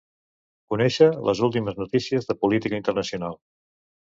Conèixer les últimes notícies de política internacional.